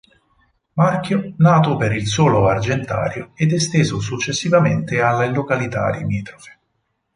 Marchio nato per il solo Argentario ed esteso successivamente alle località limitrofe.